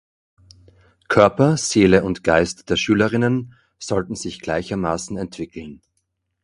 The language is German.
Körper, Seele und Geist der Schülerinnen sollten sich gleichermaßen entwickeln.